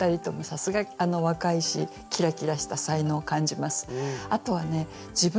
さすが若いしキラキラした才能を感じます。